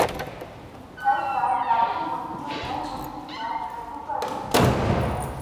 ہر سال لاکھوں ملکی وغیر ملکی سیاح سکردو کا رخ کرتے ہیں